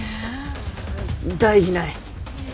大事ない。